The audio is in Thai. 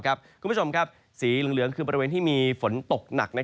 คุณผู้ชมครับสีเหลืองคือบริเวณที่มีฝนตกหนัก